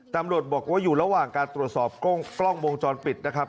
ตำรวจบอกว่าอยู่ระหว่างการตรวจสอบกล้องวงจรปิดนะครับ